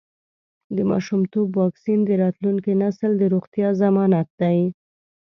د ماشومتوب واکسین د راتلونکي نسل د روغتیا ضمانت دی.